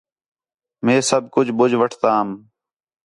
مئے سب کُج بجھ وٹھتام